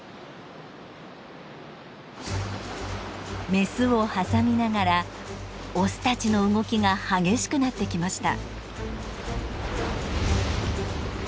メスを挟みながらオスたちの動きが激しくなってきました。